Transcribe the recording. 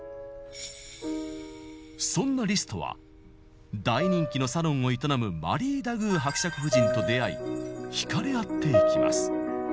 そんなリストは大人気のサロンを営むマリー・ダグー伯爵夫人と出会い惹かれ合っていきます。